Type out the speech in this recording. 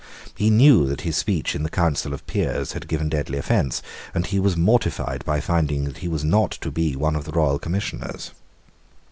He knew that his speech in the Council of Peers had given deadly offence: and he was mortified by finding that he was not to be one of the royal Commissioners.